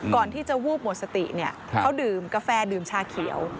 ก่อนที่จะวูบหมดสติเนี่ยเขาดื่มกาแฟดื่มชาเขียว